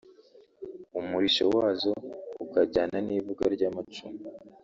umurishyo wazo ukajyana n’ivuga ry’amacumu